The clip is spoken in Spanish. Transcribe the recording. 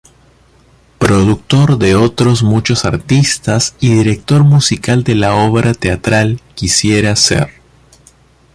Productor de otros muchos artistas, y director musical de la obra teatral "Quisiera ser".